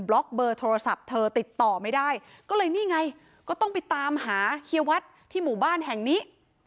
ล็อกเบอร์โทรศัพท์เธอติดต่อไม่ได้ก็เลยนี่ไงก็ต้องไปตามหาเฮียวัดที่หมู่บ้านแห่งนี้